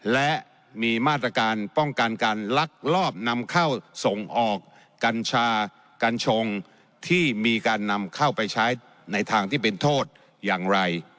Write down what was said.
และมีมาตรการป้องกันการลักลอบนำเข้าส่งออกกัญชากัญชงที่มีการนำเข้าไปใช้ในทางที่เป็นโทษอย่างไร